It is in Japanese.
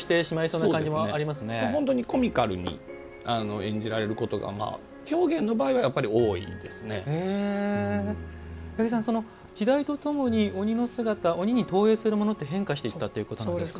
本当にコミカルに演じられることが時代とともに鬼の姿鬼に投影するものって変化していったということですか。